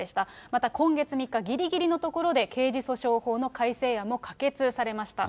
また今月３日、ぎりぎりのところで、刑事訴訟法の改正案も可決されました。